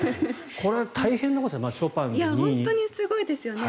これ、大変なことですね。